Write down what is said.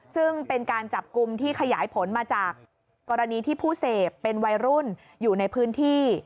ซึ่งเป็นการจับกลุ่มที่ขยายผลมาจากกรณีที่ผู้เสพเป็นวัยรุ่นอยู่ในพื้นที่